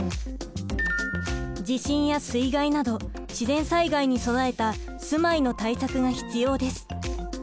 地震や水害など自然災害に備えた住まいの対策が必要です。